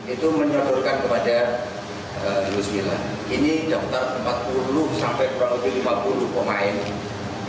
itu menyebutkan kepada luis milla ini dokter empat puluh sampai kurang lebih lima puluh pemain